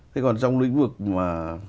thế còn trong lĩnh vực mà